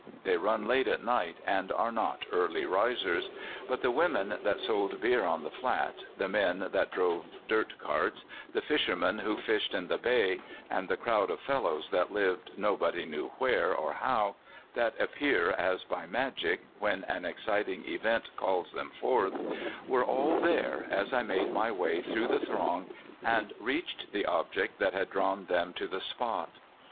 They run late at night, and are not early risers. But the women that sold beer on the flat, the men that drove dirt carts, the fishermen who fished in the bay, and the crowd of fellows that lived nobody knew where or how, that appear as by magic when an exciting event calls them forth, were all there as I made my way through the throng Il8 CALIFORNIA SKETCHES. and reached the object that had drawn them to the spot.